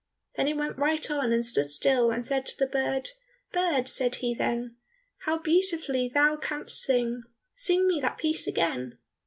Then he went right on and stood still, and said to the bird, "Bird," said he then, "how beautifully thou canst sing! Sing me that piece again."